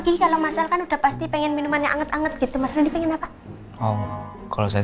gigi kalau masalkan udah pasti pengen minumannya anget anget gitu mas ini pengen apa oh kalau saya